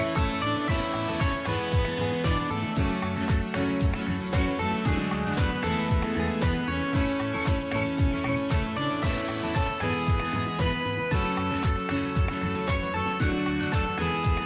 สวัสดีครับ